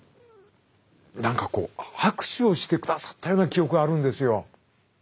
何かこう握手をしてくださったような記憶があるんですよ。